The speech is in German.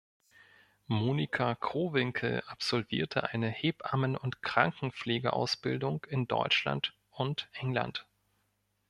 Monika Krohwinkel absolvierte eine Hebammen- und Krankenpflegeausbildung in Deutschland und England.